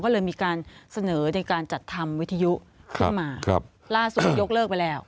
ก็เลยมีการเสนอในการจัดทำวิทยุขึ้นมาครับล่าสุดยกเลิกไปแล้ว